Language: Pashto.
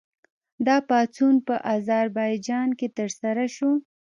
دا پاڅون په اذربایجان کې ترسره شو.